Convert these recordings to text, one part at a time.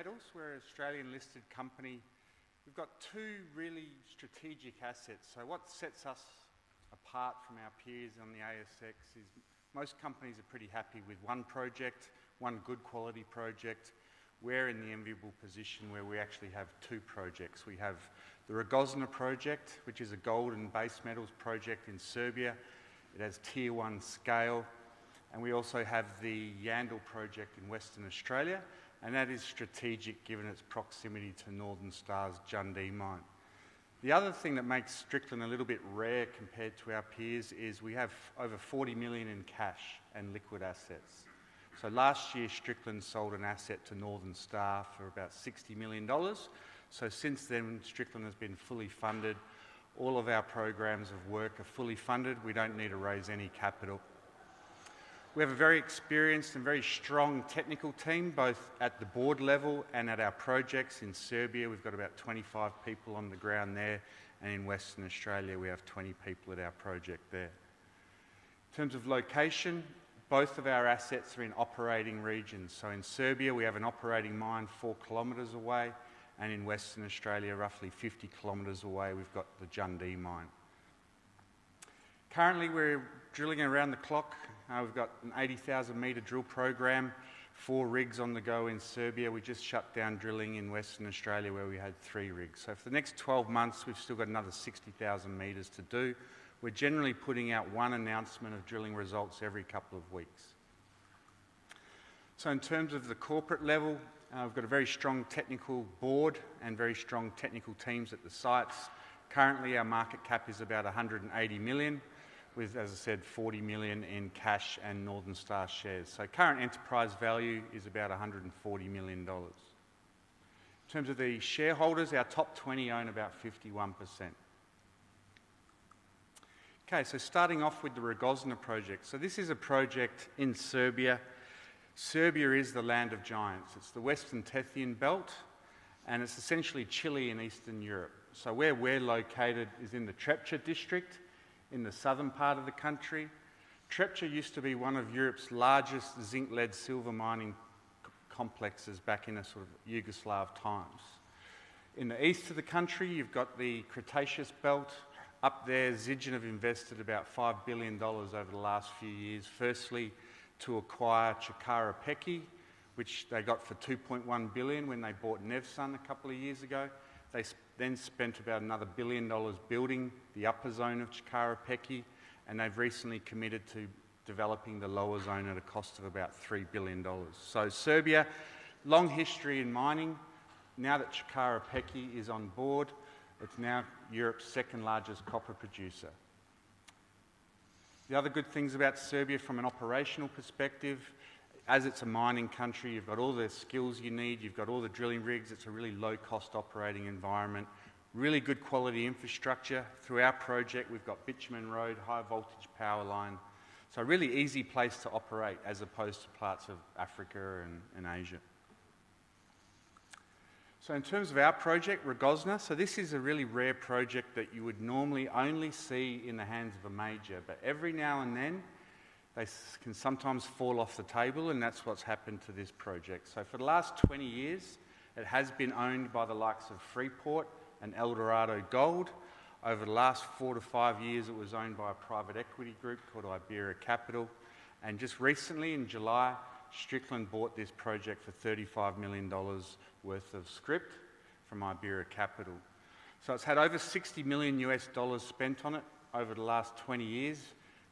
Strickland Metals, we're an Australian-listed company. We've got two really strategic assets. So what sets us apart from our peers on the ASX is most companies are pretty happy with one project, one good quality project. We're in the enviable position where we actually have two projects. We have the Rogozna project, which is a gold and base metals project in Serbia. It has Tier One scale. And we also have the Yandal project in Western Australia. And that is strategic given its proximity to Northern Star's Jundee mine. The other thing that makes Strickland a little bit rare compared to our peers is we have over 40 million in cash and liquid assets. So last year, Strickland sold an asset to Northern Star for about 60 million dollars. So since then, Strickland has been fully funded. All of our programs of work are fully funded. We don't need to raise any capital. We have a very experienced and very strong technical team, both at the board level and at our projects in Serbia. We've got about 25 people on the ground there. And in Western Australia, we have 20 people at our project there. In terms of location, both of our assets are in operating regions. So in Serbia, we have an operating mine 4 km away. And in Western Australia, roughly 50 km away, we've got the Jundee mine. Currently, we're drilling around the clock. We've got an 80,000 m drill program, four rigs on the go in Serbia. We just shut down drilling in Western Australia where we had three rigs. So for the next 12 months, we've still got another 60,000 m to do. We're generally putting out one announcement of drilling results every couple of weeks. So in terms of the corporate level, we've got a very strong technical board and very strong technical teams at the sites. Currently, our market cap is about 180 million, with, as I said, 40 million in cash and Northern Star shares. So current enterprise value is about 140 million dollars. In terms of the shareholders, our top 20 own about 51%. Okay, so starting off with the Rogozna project. So this is a project in Serbia. Serbia is the land of giants. It's the Western Tethyan Belt. And it's essentially Chile in Eastern Europe. So where we're located is in the Trepča district in the southern part of the country. Trepča used to be one of Europe's largest zinc-lead silver mining complexes back in a sort of Yugoslav times. In the east of the country, you've got the Cretaceous Belt. Up there, Zijin have invested about 5 billion dollars over the last few years, firstly to acquire Čukaru Peki, which they got for 2.1 billion when they bought Nevsun a couple of years ago. They then spent about another 1 billion dollars building the upper zone of Čukaru Peki. They have recently committed to developing the lower zone at a cost of about 3 billion dollars. Serbia has a long history in mining. Now that Čukaru Peki is on board, it is now Europe's second largest copper producer. The other good things about Serbia from an operational perspective, as it is a mining country, you have got all the skills you need. You have got all the drilling rigs. It is a really low-cost operating environment, really good quality infrastructure. Through our project, we have got bitumen road, high-voltage power line. It is a really easy place to operate as opposed to parts of Africa and Asia. In terms of our project, Rogozna, this is a really rare project that you would normally only see in the hands of a major. But every now and then, they can sometimes fall off the table. That's what's happened to this project. For the last 20 years, it has been owned by the likes of Freeport and Eldorado Gold. Over the last four to five years, it was owned by a private equity group called Ibaera Capital. Just recently, in July, Strickland bought this project for 35 million dollars worth of scrip from Ibaera Capital. It's had over $60 million spent on it over the last 20 years.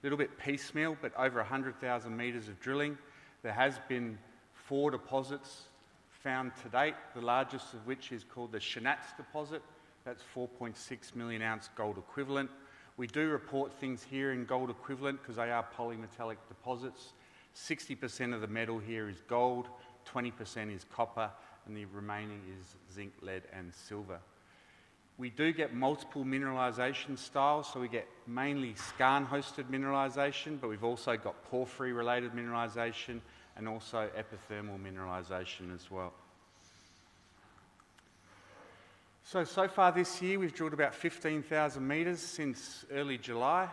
A little bit piecemeal, but over 100,000 m of drilling. There have been four deposits found to date, the largest of which is called the Shanac deposit. That's 4.6 million ounce gold equivalent. We do report things here in gold equivalent because they are polymetallic deposits. 60% of the metal here is gold, 20% is copper, and the remaining is zinc, lead, and silver. We do get multiple mineralization styles. We get mainly skarn-hosted mineralization, but we've also got porphyry-related mineralization and also epithermal mineralization as well. So far this year, we've drilled about 15,000 m since early July.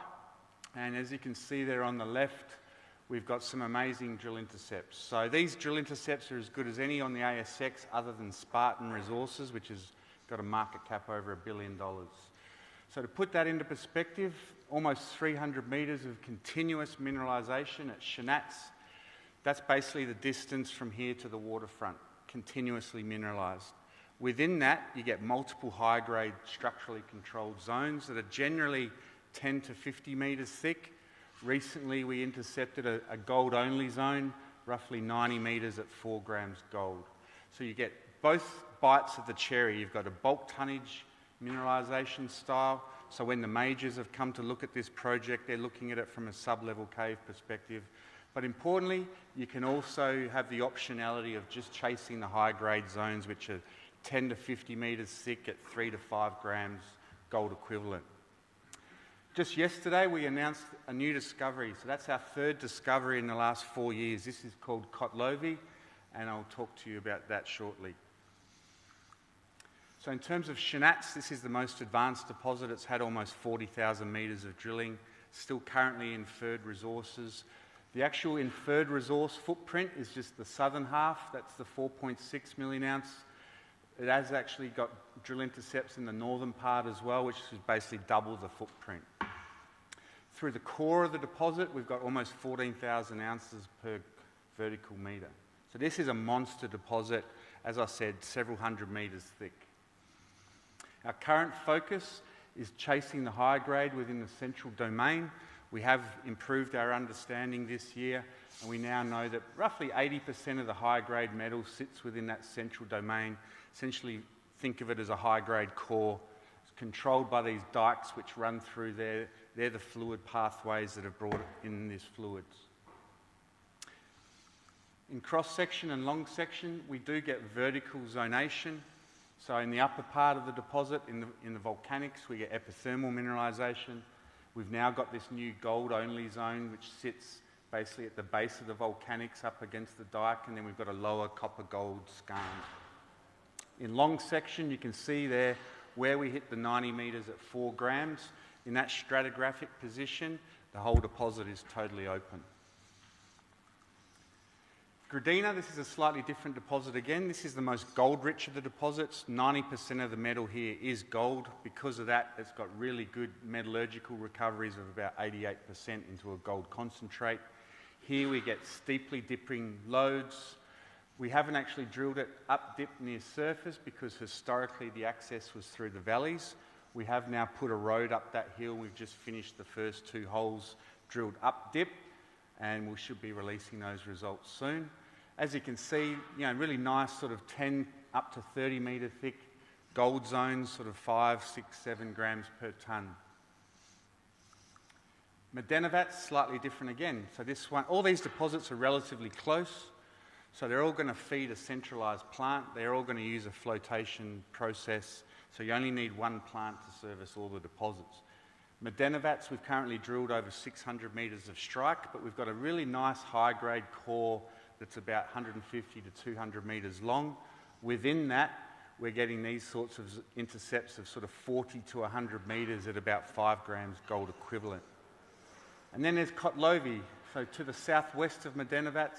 As you can see there on the left, we've got some amazing drill intercepts. These drill intercepts are as good as any on the ASX other than Spartan Resources, which has got a market cap over 1 billion dollars. To put that into perspective, almost 300 m of continuous mineralization at Shanac, that's basically the distance from here to the waterfront, continuously mineralized. Within that, you get multiple high-grade structurally controlled zones that are generally 10 m-50 m thick. Recently, we intercepted a gold-only zone, roughly 90 m at 4 g gold, so you get both bites of the cherry. You've got a bulk tonnage mineralization style, so when the majors have come to look at this project, they're looking at it from a sub-level caving perspective, but importantly, you can also have the optionality of just chasing the high-grade zones, which are 10 m-50 m thick at 3 g-5 g gold equivalent. Just yesterday, we announced a new discovery, so that's our third discovery in the last four years. This is called Kotlovi, and I'll talk to you about that shortly, so in terms of Shanac, this is the most advanced deposit. It's had almost 40,000 m of drilling, still currently inferred resources. The actual inferred resource footprint is just the southern half. That's the 4.6 million ounce. It has actually got drill intercepts in the northern part as well, which is basically double the footprint. Through the core of the deposit, we've got almost 14,000 ounces per vertical meter, so this is a monster deposit, as I said, several 100 m thick. Our current focus is chasing the high grade within the central domain. We have improved our understanding this year, and we now know that roughly 80% of the high-grade metal sits within that central domain. Essentially, think of it as a high-grade core. It's controlled by these dikes, which run through there. They're the fluid pathways that have brought in this fluid. In cross-section and long-section, we do get vertical zonation, so in the upper part of the deposit, in the volcanics, we get epithermal mineralization. We've now got this new gold-only zone, which sits basically at the base of the volcanics up against the dike, and then we've got a lower copper-gold skarn. In long-section, you can see there where we hit the 90 m at 4 g. In that stratigraphic position, the whole deposit is totally open. Gradina, this is a slightly different deposit again. This is the most gold-rich of the deposits. 90% of the metal here is gold. Because of that, it's got really good metallurgical recoveries of about 88% into a gold concentrate. Here, we get steeply dipping lodes. We haven't actually drilled it up deep near surface because historically, the access was through the valleys. We have now put a road up that hill. We've just finished the first two holes drilled up deep, and we should be releasing those results soon. As you can see, really nice sort of 10 m-30 m thick gold zones, sort of five, six, seven grams per ton. Medenovac, slightly different again. All these deposits are relatively close. They're all going to feed a centralized plant. They're all going to use a flotation process. You only need one plant to service all the deposits. Medenovac, we've currently drilled over 600 m of strike. We've got a really nice high-grade core that's about 150 m-200 m long. Within that, we're getting these sorts of intercepts of sort of 40 m-100 m at about 5 g gold equivalent. Then there's Kotlovi. To the southwest of Medenovac,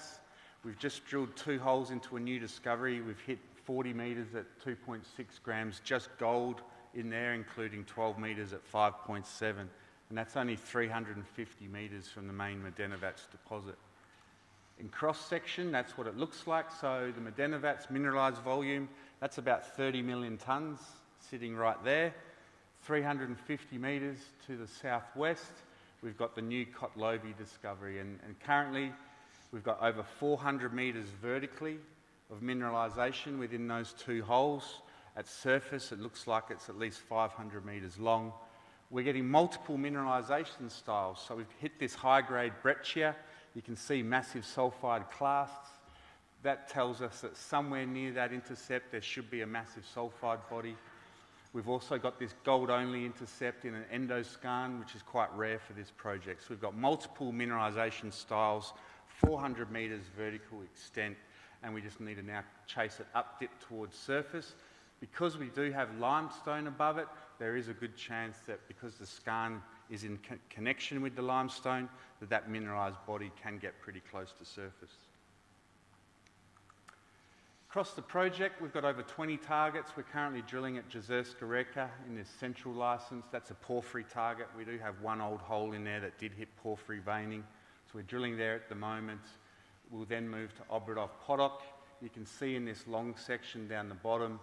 we've just drilled two holes into a new discovery. We've hit 40 m at 2.6 g just gold in there, including 12 m at 5.7. And that's only 350 m from the main Medenovac deposit. In cross-section, that's what it looks like. So the Medenovac mineralized volume, that's about 30 million tons sitting right there. 350 m to the southwest, we've got the new Kotlovi discovery. And currently, we've got over 400 m vertically of mineralization within those two holes. At surface, it looks like it's at least 500 m long. We're getting multiple mineralization styles. So we've hit this high-grade breccia. You can see massive sulfide clasts. That tells us that somewhere near that intercept, there should be a massive sulfide body. We've also got this gold-only intercept in an endoskarn, which is quite rare for this project. So we've got multiple mineralization styles, 400 m vertical extent. And we just need to now chase it up deep towards surface. Because we do have limestone above it, there is a good chance that because the skarn is in connection with the limestone, that that mineralized body can get pretty close to surface. Across the project, we've got over 20 targets. We're currently drilling at Jezerska Reka in this central license. That's a porphyry target. We do have one old hole in there that did hit porphyry veining. So we're drilling there at the moment. We'll then move to Obradov Potok. You can see in this long section down the bottom,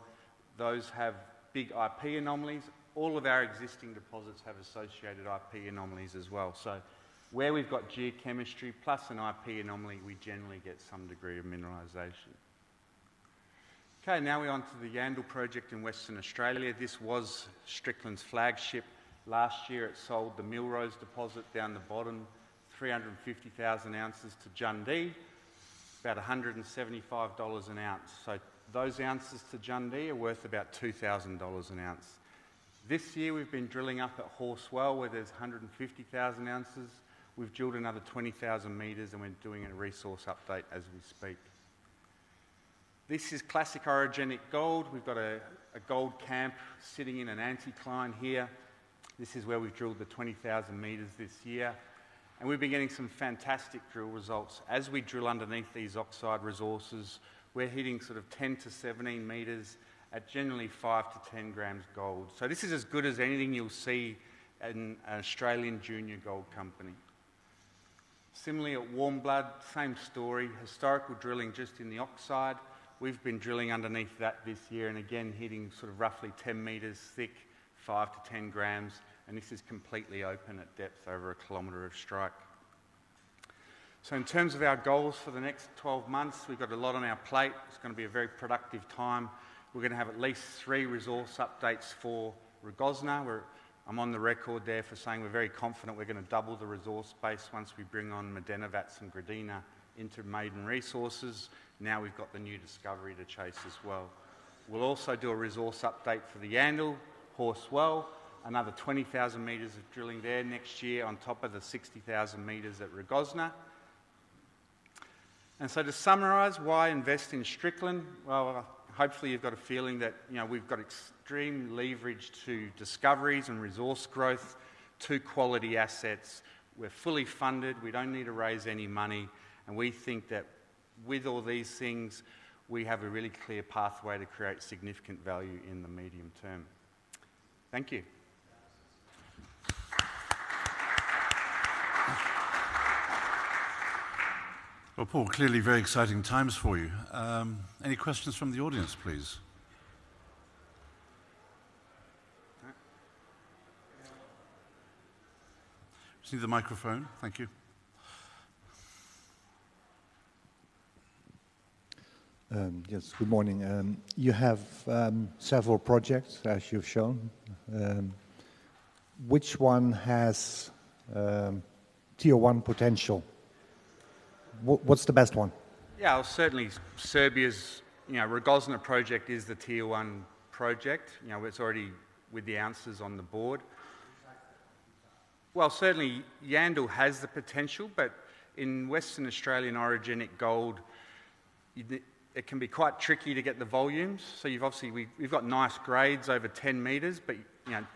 those have big IP anomalies. All of our existing deposits have associated IP anomalies as well. So where we've got geochemistry plus an IP anomaly, we generally get some degree of mineralization. Okay, now we're on to the Yandal project in Western Australia. This was Strickland's flagship. Last year, it sold the Millrose deposit down the bottom, 350,000 ounces to Jundee, about 175 dollars an ounce. So those ounces to Jundee are worth about 2,000 dollars an ounce. This year, we've been drilling up at Horse Well, where there's 150,000 ounces. We've drilled another 20,000 m. And we're doing a resource update as we speak. This is classic orogenic gold. We've got a gold camp sitting in an anticline here. This is where we've drilled the 20,000 m this year. And we've been getting some fantastic drill results. As we drill underneath these oxide resources, we're hitting sort of 10 m-17 m at generally 5 g-10 g gold. So this is as good as anything you'll see in an Australian junior gold company. Similarly, at Warmblood, same story, historical drilling just in the oxide. We've been drilling underneath that this year and again hitting sort of roughly 10 m thick, 5 g-10 g. And this is completely open at depth over a kilometer of strike. So in terms of our goals for the next 12 months, we've got a lot on our plate. It's going to be a very productive time. We're going to have at least three resource updates for Rogozna. I'm on the record there for saying we're very confident we're going to double the resource base once we bring on Medenovac and Gradina into maiden resources. Now we've got the new discovery to chase as well. We'll also do a resource update for the Yandal, Horse Well, another 20,000 m of drilling there next year on top of the 60,000 m at Rogozna. And so to summarize, why invest in Strickland? Hopefully, you've got a feeling that we've got extreme leverage to discoveries and resource growth to quality assets. We're fully funded. We don't need to raise any money. We think that with all these things, we have a really clear pathway to create significant value in the medium term. Thank you. Paul, clearly very exciting times for you. Any questions from the audience, please? Just need the microphone. Thank you. Yes, good morning. You have several projects, as you've shown. Which one has Tier One potential? What's the best one? Yeah, certainly Serbia's Rogozna project is the Tier One project. It's already with the ounces on the board. Certainly, Yandal has the potential. In Western Australian orogenic gold, it can be quite tricky to get the volumes. Obviously, we've got nice grades over 10 m. But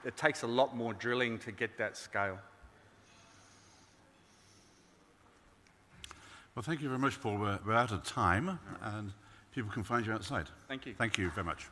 it takes a lot more drilling to get that scale. Well, thank you very much, Paul. We're out of time, and people can find you outside. Thank you. Thank you very much.